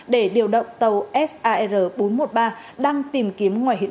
để điều động tàu sar bốn trăm một mươi ba đang tìm kiếm ngoại truyền